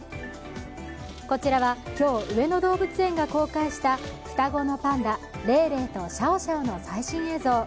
こちらは今日、上野動物園が公開した双子のパンダ、レイレイとシャオシャオの最新映像。